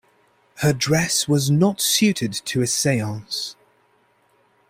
Her dress was not suited to a seance.